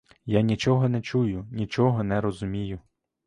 Я нічого не чую, нічого не розумію.